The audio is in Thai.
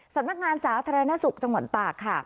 สำนักงานสาธารณสุขจังหวัดตากค่ะ